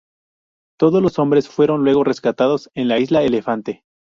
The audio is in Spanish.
Todos los hombres fueron luego rescatados en la isla Elefante.